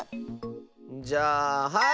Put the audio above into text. じゃあはい！